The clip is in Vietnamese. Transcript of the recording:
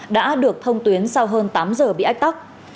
đã được thông tuyến sau hơn tám giờ bị ách tắc